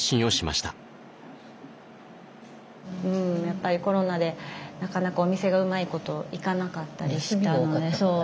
やっぱりコロナでなかなかお店がうまいこといかなかったりしたのでそう。